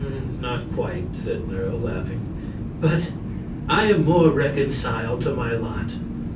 "Not quite," said Nerle, laughing; "but I am more reconciled to my lot.